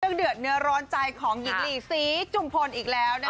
เดือดเนื้อร้อนใจของหญิงลีศรีจุมพลอีกแล้วนะคะ